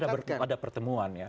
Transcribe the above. saya pikir ada pertemuan ya